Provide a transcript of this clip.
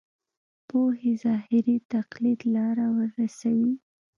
پوهې ظاهري تقلید لاره ورسوي.